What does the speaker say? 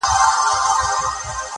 • دې وې درد څۀ وي خفګان څۀ ته وایي,